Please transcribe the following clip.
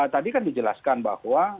tadi kan dijelaskan bahwa